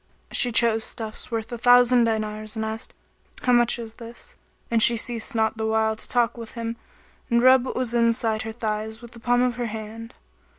She chose stuffs worth a thousand dinars and asked, "How much is this?"; and she ceased not the while to talk with him and rub what was inside her thighs with the palm of her hand.